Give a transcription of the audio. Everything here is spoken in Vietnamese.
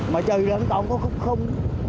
mà trời lại nó còn có khúc không